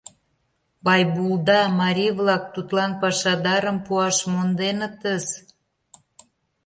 Байбулда марий-влак тудлан «пашадарым» пуаш монденытыс!